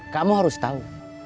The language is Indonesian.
kamu harus tahu